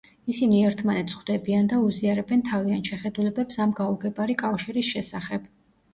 ისინი ერთმანეთს ხვდებიან და უზიარებენ თავიანთ შეხედულებებს ამ გაუგებარი კავშირის შესახებ.